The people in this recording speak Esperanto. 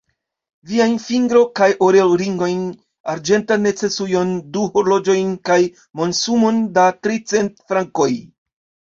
Viajn fingro- kaj orel-ringojn, arĝentan necesujon, du horloĝojn kaj monsumon da tricent frankoj.